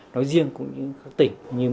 nói riêng của tỉnh